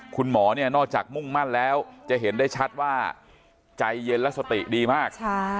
คุณหมอเนี่ยนอกจากมุ่งมั่นแล้วจะเห็นได้ชัดว่าใจเย็นและสติดีมาก